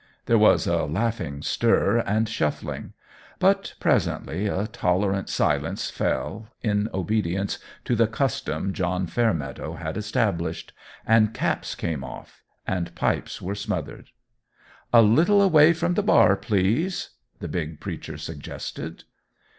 There was a laughing stir and shuffling: but presently a tolerant silence fell, in obedience to the custom John Fairmeadow had established; and caps came off, and pipes were smothered. "A little away from the bar, please," the big preacher suggested.